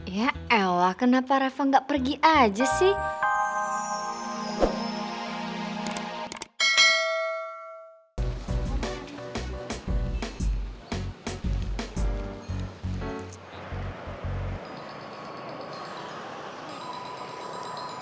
ya allah kenapa reva gak pergi aja sih